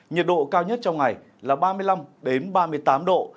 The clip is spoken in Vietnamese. nhiệt độ cao nhất trong ngày là ba mươi năm ba mươi tám độ